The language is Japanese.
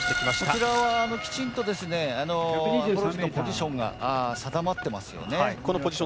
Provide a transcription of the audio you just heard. こちらは、きちんとアプローチのポジションが定まってますよね。